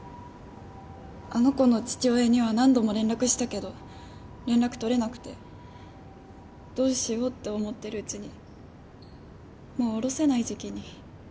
あの子の父親には何度も連絡したけど連絡取れなくてどうしようって思ってるうちにもうおろせない時期に。